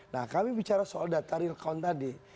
nah kami bicara soal data real count tadi